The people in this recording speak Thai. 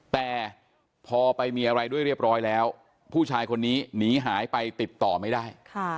แต่พอไปมีอะไรด้วยเรียบร้อยแล้วผู้ชายคนนี้หนีหายไปติดต่อไม่ได้